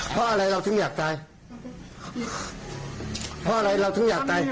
เพราะอะไรเราถึงอยากตายเพราะอะไรเราถึงอยากตาย